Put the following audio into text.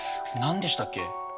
何でしたっけ？